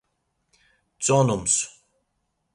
Tzonums.